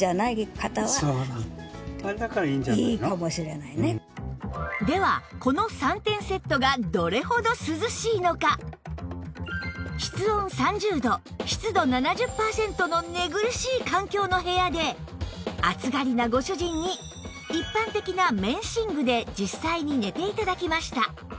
そしてではこの室温３０度湿度７０パーセントの寝苦しい環境の部屋で暑がりなご主人に一般的な綿寝具で実際に寝て頂きました